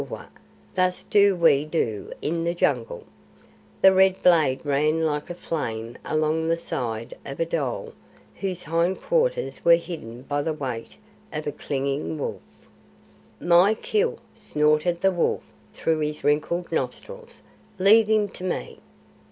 "Eowawa! THUS do we do in the Jungle!" The red blade ran like a flame along the side of a dhole whose hind quarters were hidden by the weight of a clinging wolf. "My kill!" snorted the wolf through his wrinkled nostrils. "Leave him to me."